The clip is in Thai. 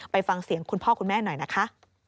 ไปฟังเสียงคุณพ่อคุณแม่หน่อยนะคะ